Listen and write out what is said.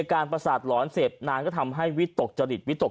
การประสาทหลอนเสพนานก็ทำให้วิตกจริตวิตก